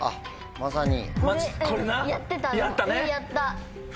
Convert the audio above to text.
まさに。